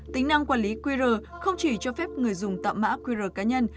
tính năng quản lý qr không chỉ cho phép người dùng tạo mã qr cá nhân